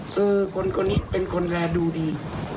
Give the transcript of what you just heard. คือคนคนนี้เป็นคนแลดูดี